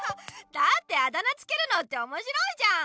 だってあだ名つけるのっておもしろいじゃん。